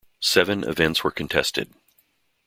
Seven events were contested.